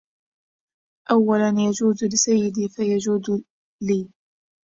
أولا يجوز لسيدي فيجود لي